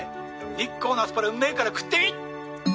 日光のアスパラうんめえから食ってみ！